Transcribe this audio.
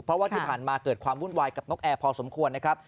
เพราะว่าที่ผ่านมาเกิดความวุ่นวายกับนกแอร์พอสมควรนะครับ